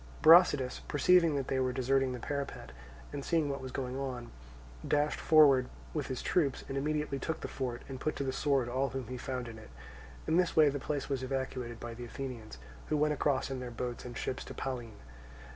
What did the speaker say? Brasidas, perceiving that they were deserting the parapet, and seeing what was going on, dashed forward with his troops, and immediately took the fort, and put to the sword all whom he found in it. In this way the place was evacuated by the Athenians, who went across in their boats and ships to Pallene.